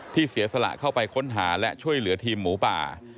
เสียสละเข้าไปค้นหาและช่วยเหลือทีมหมูป่า